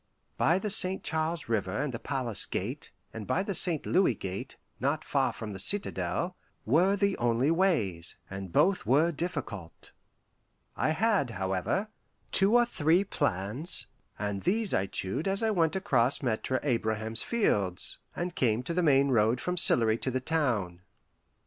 By the St. Charles River and the Palace Gate, and by the St. Louis Gate, not far from the citadel, were the only ways, and both were difficult. I had, however, two or three plans, and these I chewed as I went across Maitre Abraham's fields, and came to the main road from Sillery to the town.